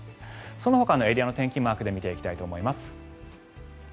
そのほかのエリアの天気マークで見ていきたいと思います。